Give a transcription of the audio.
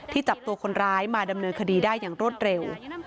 จับตัวคนร้ายมาดำเนินคดีได้อย่างรวดเร็ว